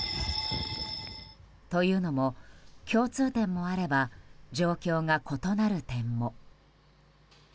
というのも、共通点もあれば状況が異なる点も。